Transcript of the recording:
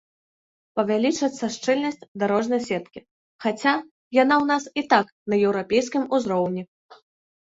Павялічыцца шчыльнасць дарожнай сеткі, хаця яна ў нас і так на еўрапейскім узроўні.